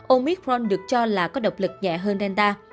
omicron được cho là có độc lực nhẹ hơn delta